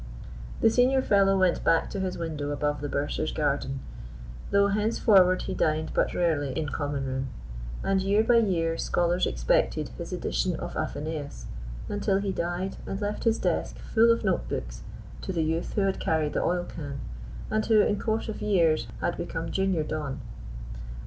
The Senior Fellow went back to his window above the bursar's garden, though henceforward he dined but rarely in Common room; and year by year scholars expected his edition of Athenaeus, until he died and left his desk full of notebooks to the youth who had carried the oil can, and who in course of years had become junior don.